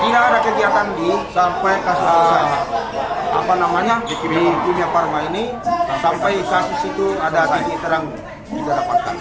tidak ada kegiatan di sampai kasus apa namanya di kimia farma ini sampai kasus itu ada titik terang tidak dapatkan